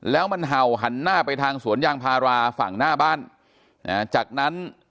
แล้วมันเห่าหันหน้าไปทางสวนยางพาราฝั่งหน้าบ้านจากนั้น